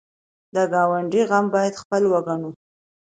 د ګاونډي غم باید خپل وګڼو